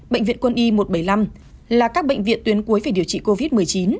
bệnh viện quân y một trăm bảy mươi năm là các bệnh viện tuyến cuối về điều trị covid một mươi chín